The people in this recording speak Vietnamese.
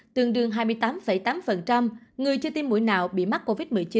tương đương hai mươi tám tám người chưa tiêm mũi nào bị mắc covid một mươi chín